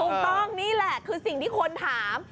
ถูกต้องนี่แหละคือสิ่งที่คนถาม